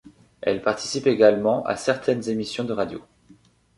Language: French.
Elle participe également à certaines émissions de radio.